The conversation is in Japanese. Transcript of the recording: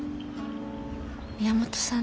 宮本さん